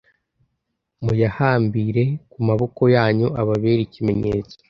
muyahambire ku maboko yanyu ababere ikimenyetso